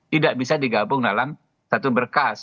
tidak bisa digabung dalam satu berkas